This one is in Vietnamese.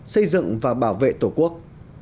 xây dựng và bảo vệ tổ quốc